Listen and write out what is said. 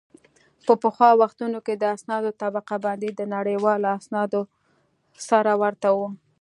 په پخوا وختونو کې د اسنادو طبقه بندي د نړیوالو اسنادو سره ورته وه